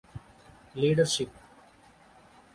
Leadership